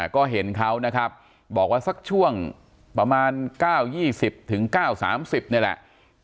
ก็เห็นเขานะครับบอกว่าสักช่วงประมาณ๙๒๐๙๓๐นี่แหละ